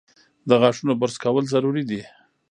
د غاښونو برس کول ضروري دي۔